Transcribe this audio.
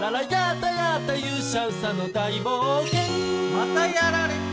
またやられた。